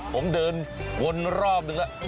ผมเดินวนรอบนึงแล้ว